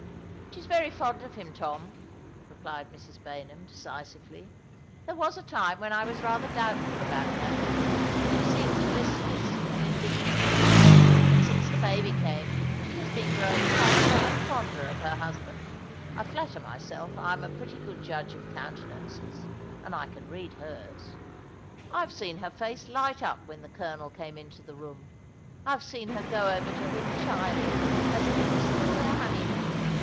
"She's very fond of him, Tom," replied Mrs. Baynham, decisively. " There was a time when I was rather doubtful about that. She seemed listless and indifferent. But since the baby camo she has been growing fonder and fonder of her husband. I flatter myself I am a pretty good judge of countenances, and I can read hers. I've seen her face light up when the colonel came into the room. I've seen her go over to him shyly, as if it were still their honeymoon.